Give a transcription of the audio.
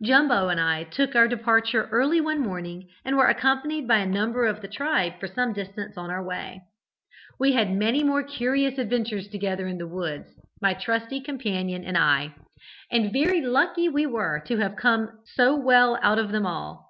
"Jumbo and I took our departure early one morning, and were accompanied by a number of the tribe for some distance on our way. We had many more curious adventures together in the woods, my trusty companion and I, and very lucky we were to have come so well out of them all.